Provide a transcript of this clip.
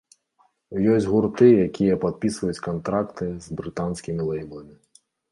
Ёсць гурты, якія падпісваюць кантракты з брытанскімі лейбламі.